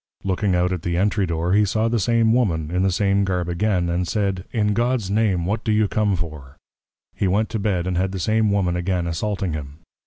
Looking out at the Entry door, he saw the same Woman, in the same Garb again; and said, In God's Name, what do you come for? He went to Bed, and had the same Woman again assaulting him.